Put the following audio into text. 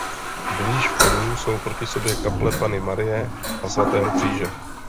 Blíž vchodu jsou proti sobě kaple Panny Marie a svatého Kříže.